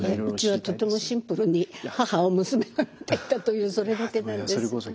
うちはとてもシンプルに母を娘が見ていたというそれだけなんですが。